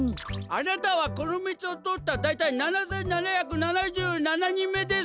あなたはこのみちをとおっただいたい７，７７７にんめです！